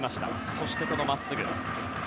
そして、このまっすぐ。